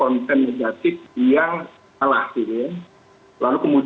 o tentarungnya itu bukan betul